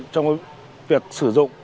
trong việc sử dụng